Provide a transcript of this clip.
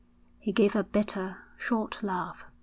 He gave a bitter, short laugh.